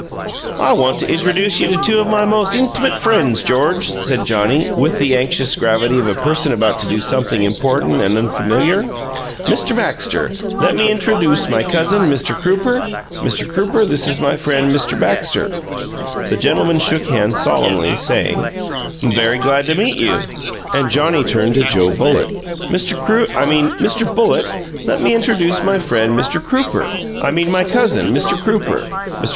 "I want to intradooce you to two of my most int'mut friends, George," said Johnnie, with the anxious gravity of a person about to do something important and unfamiliar. "Mr. Baxter, let me intradooce my cousin, Mr. Crooper. Mr. Crooper, this is my friend, Mr. Baxter." The gentlemen shook hands solemnly, saying, "'M very glad to meet you," and Johnnie turned to Joe Bullitt. "Mr. Croo I mean, Mr. Bullitt, let me intradooce my friend, Mr. Crooper I mean my cousin, Mr. Crooper. Mr.